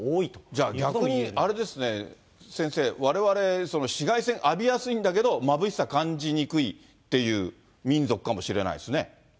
じゃあ逆にあれですね、先生、われわれ紫外線浴びやすいんだけど、まぶしさ感じにくいっていう、そうですね。